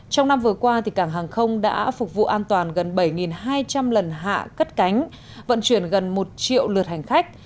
trong năm vừa qua cảng hàng không đã phục vụ an toàn gần bảy hai trăm linh lần hạ cất cánh vận chuyển gần một triệu lượt hành khách